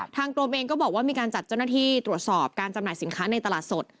ทางกรมเองก็บอกว่ามีการจัดเจ้าหน้าที่ตรวจสอบการจำหน่ายสินค้าในตลาดสด